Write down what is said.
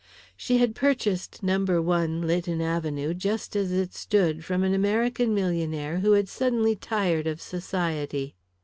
She had purchased No. 1, Lytton Avenue, just as it stood from an American millionaire who had suddenly tired of Society.